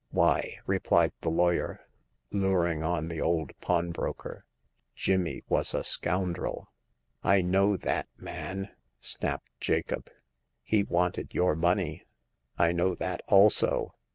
Why," replied the lawyer, luring on the old pawnbroker, Jimmy was a scoundrel." " I know that, man !" snapped Jacob. He wanted your money." " I know that also."